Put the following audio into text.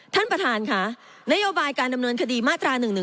ท่านประธานค่ะนโยบายการดำเนินคดีมาตรา๑๑๒